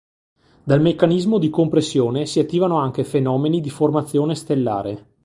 Dal meccanismo di compressione si attivano anche fenomeni di formazione stellare.